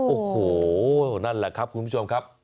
โอ้โหนั่นแหละครับคุณผู้ชมครับ